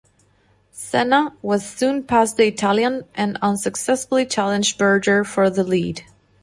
Senna was soon past the Italian and unsuccessfully challenged Berger for the lead.